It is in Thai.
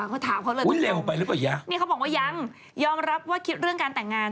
เขาถามเขาเลยตรงนั้นนี่เขาบอกว่ายังยอมรับว่าคิดเรื่องการแต่งงาน